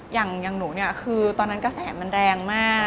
อย่างหนูตอนนั้นกระแสมันแรงมาก